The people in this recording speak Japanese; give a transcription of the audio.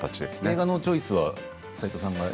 映画のチョイスは斎藤さんが？